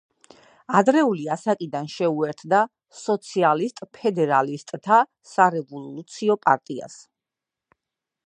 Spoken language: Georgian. ადრეული ასაკიდან შეუერთდა სოციალისტ ფედერალისტთა სარევოლუციო პარტიას.